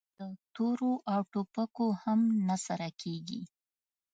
د تورو او ټوپکو هم نه سره کېږي!